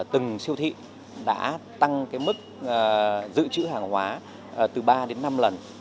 từng siêu thị đã tăng cái mức dự trữ hàng hóa từ ba đến năm lần